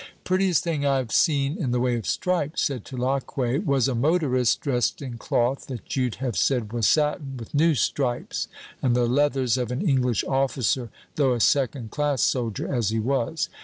"Prettiest thing I've seen in the way of stripes," said Tulacque, "was a motorist, dressed in cloth that you'd have said was satin, with new stripes, and the leathers of an English officer, though a second class soldier as he was.